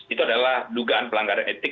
itu adalah dugaan pelanggaran etik